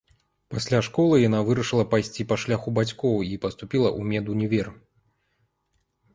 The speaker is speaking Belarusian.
Пасля школы яна вырашыла пайсці па шляху бацькоў і паступіла ў медунівер.